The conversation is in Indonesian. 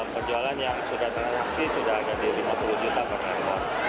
penjualan yang sudah transaksi sudah ada di lima puluh juta per ekor